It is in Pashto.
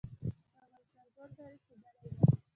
د افغانستان ټول تاریخ ښودلې ده.